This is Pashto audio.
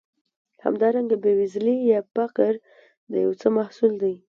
همدارنګه بېوزلي یا فقر د یو څه محصول دی.